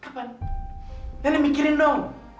kapan nenek mikirin dong